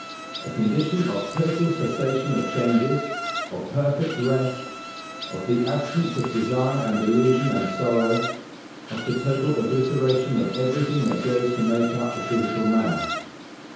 A condition of total cessation of changes, of perfect rest, of the absence of desire and illusion and sorrow, of the total obliteration of everything that goes to make up the physical man.